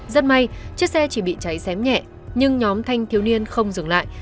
rất may chiếc xe chỉ bị cháy xém nhẹ nhưng nhóm thanh thiếu niên không dừng lại